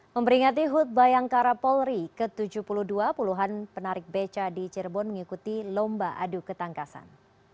memperingati hut bayangkara polri ke tujuh puluh dua puluhan penarik beca di cirebon mengikuti lomba adu ketangkasan